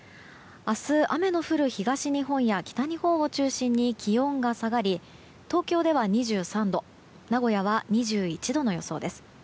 明日雨の降る東日本や北日本を中心に気温が下がり、東京では２３度名古屋は２１度の予想です。